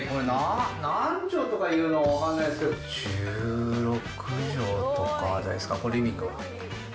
そうですね、これ、何畳とかいうの分かんないですけど、１６畳とかですか、これ、リビングで。